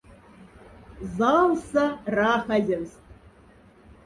Залса рахазевсть.